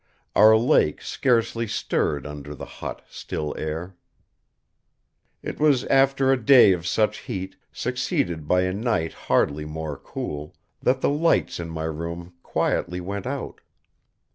Our lake scarcely stirred under the hot, still air. It was after a day of such heat, succeeded by a night hardly more cool, that the lights in my room quietly went out.